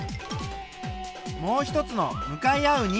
もう１つの向かい合う